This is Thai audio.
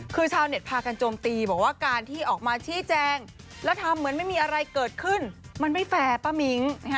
คือชาวเน็ตพากันโจมตีบอกว่าการที่ออกมาชี้แจงแล้วทำเหมือนไม่มีอะไรเกิดขึ้นมันไม่แฟร์ป้ามิ้ง